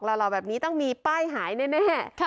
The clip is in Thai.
หล่อแบบนี้ต้องมีป้ายหายแน่